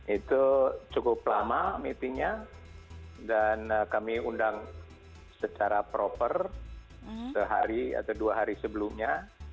itu cukup lama meetingnya dan kami undang secara proper sehari atau dua hari sebelumnya